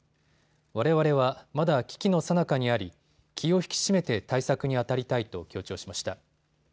われわれはまだ危機のさなかにあり気を引き締めて対策にあたりたいと強調しました。